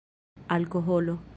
alkoholo